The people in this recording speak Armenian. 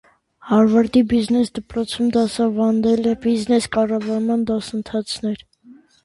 Հարվարդի բիզնես դպրոցում դասավանդել է բիզնես կառավարման դասընթացներ։